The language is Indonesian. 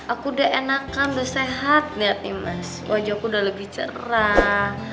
aku udah enakan udah sehat liat nih mas wajahku udah lebih cerah